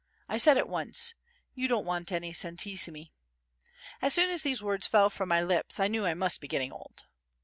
I said at once: "You don't want any centesimi." As soon as these words fell from my lips, I knew I must be getting old.